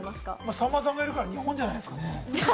さんまさんがいるから日本じゃないですか？